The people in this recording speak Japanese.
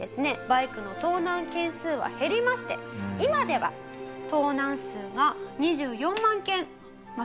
バイクの盗難件数は減りまして今では盗難数が２４万件ま